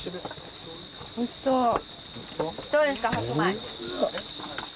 ・おいしそう・どうですか？